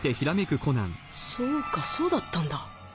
そうかそうだったんだ！